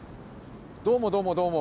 どうもどうもどうも。